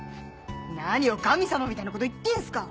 何を神様みたいなこと言ってんすか。